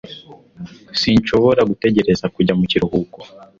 sinshobora gutegereza kujya mu kiruhuko